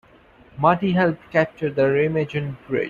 Marty helped capture the Remagen Bridge.